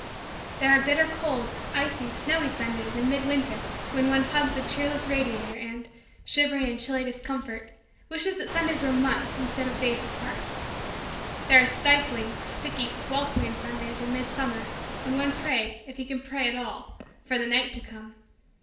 There are bitter cold, icy, snowy, Sundays in mid winter when one hugs the cheerless radiator and, shivering in chilly discomfort, wishes that Sundays were months instead of days apart. There are stifling, sticky, sweltering. Sundays in midsummer when one prays, if he can pray at all, for the night to come.